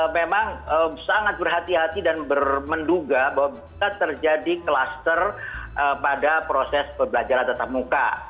memang sangat berhati hati dan bermenduga bahwa bisa terjadi kluster pada proses pembelajaran tetap muka